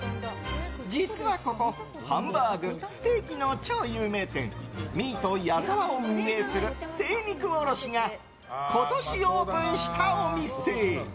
実はここ、ハンバーグステーキの超有名店ミート矢澤を運営する精肉卸が今年オープンしたお店。